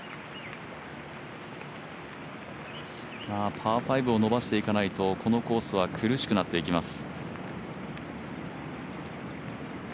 パー５を伸ばしていかないとこのコースは苦しくなっていきます。